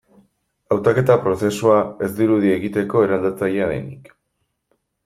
Hautaketa prozesua ez dirudi egiteko eraldatzailea denik.